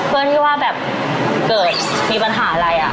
เพื่อที่ว่าแบบเกิดมีปัญหาอะไร